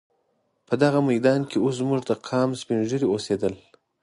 په دغه میدان کې اوس زموږ د قام سپین ږیري اوسېدل.